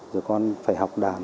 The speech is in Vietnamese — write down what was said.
rồi con phải học đàn